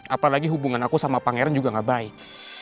apalagi hubungan aku sama pangeran juga gak baik